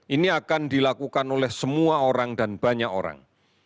ini akan dilakukan oleh semua orang dan banyak orang